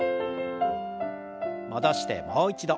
戻してもう一度。